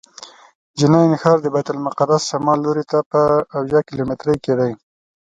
جنین ښار د بیت المقدس شمال لوري ته په اویا کیلومترۍ کې دی.